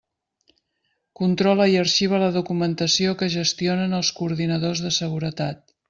Controla i arxiva la documentació que gestionen els coordinadors de seguretat.